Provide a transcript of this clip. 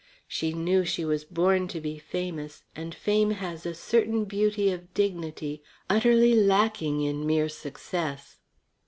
She knew she was born to be famous, and fame has a certain beauty of dignity utterly lacking in mere success.